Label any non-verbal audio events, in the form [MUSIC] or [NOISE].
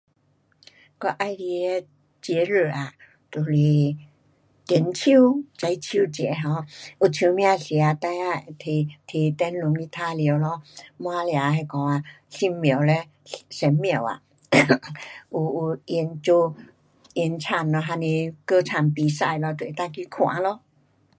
我喜欢的节日啊，就是中秋，中秋节 um 有秋饼吃，孩儿提，提灯笼去玩耍咯，满地那个啊，神庙嘞，神庙啊 [COUGHS] 有，有演做，演唱咯还是歌唱比赛，就能够去看咯。